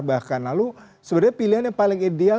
bahkan lalu sebenarnya pilihan yang paling ideal